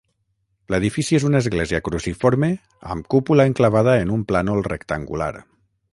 L'edifici és una església cruciforme amb cúpula enclavada en un plànol rectangular.